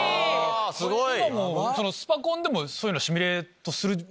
すごい！